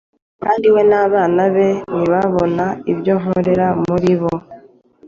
Kandi we n’abana be nibabona ibyo nkorera muri bo,